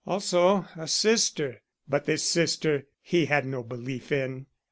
Also a sister, but this sister he had no belief in.